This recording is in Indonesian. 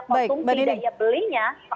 baik mbak dining